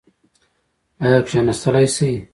ایا کیناستلی شئ؟